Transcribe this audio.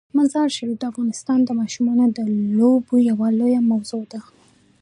مزارشریف د افغانستان د ماشومانو د لوبو یوه لویه موضوع ده.